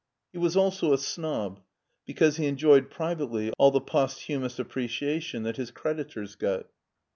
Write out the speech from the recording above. He was also a snob, because he enjoyed privately all the posthumous appreciation that his creditors got.